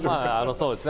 そうですね。